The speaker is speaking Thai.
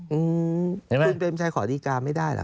เพื่อนเปรมชัยขอดีการ์ไม่ได้เหรอ